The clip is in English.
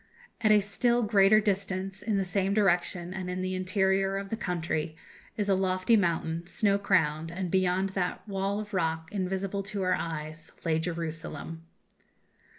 At a still greater distance, in the same direction, and in the interior of the country, is a lofty mountain, snow crowned, and, beyond that wall of rock, invisible to our eyes, lay Jerusalem!"